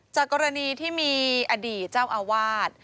จากกรณีที่มีอดีตเจ้าอาวาส